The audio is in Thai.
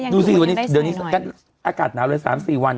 ดูสิวันนี้อากาศหนาวเลย๓๔วัน